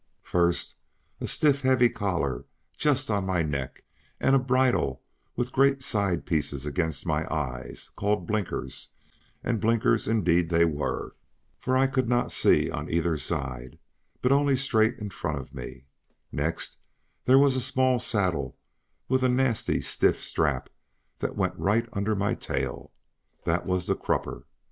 First, a stiff heavy collar just on my neck, and a bridle with great side pieces against my eyes, called blinkers, and blinkers indeed they were, for I could not see on either side, but only straight in front of me; next there was a small saddle with a nasty stiff strap that went right under my tail; that was the crupper.